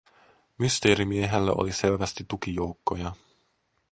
Mysteerimiehellä oli selvästi tukijoukkoja.